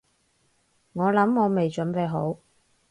我諗我未準備好